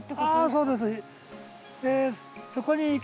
そうです。